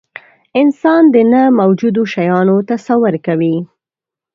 انسان د نه موجودو شیانو تصور کوي.